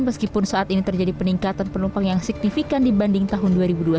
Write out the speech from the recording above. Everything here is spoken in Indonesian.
meskipun saat ini terjadi peningkatan penumpang yang signifikan dibanding tahun dua ribu dua puluh